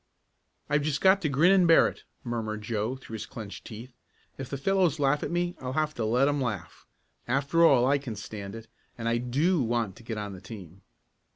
"I've just got to grin and bear it!" murmured Joe through his clenched teeth. "If the fellows laugh at me I'll have to let 'em laugh. After all I can stand it, and I do want to get on the team.